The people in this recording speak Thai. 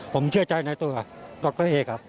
ผมเชื่อใจในตัวดรเอกครับ